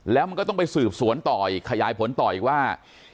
แล้วมันก็ต้องไปสืบสวนต่ออีกขยายผลต่ออีกว่า